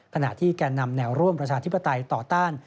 ขณะที่แก่นำแนวร่วมประชาธิปไตยต่อต้าน